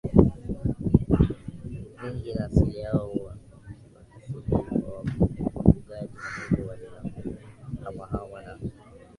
vingi na asili yao ya uhamajiKwa asili walikuwa wafugaji na hivyo walihamahama na